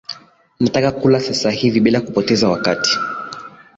Nataka kula sasa hivi bila kupoteza wakati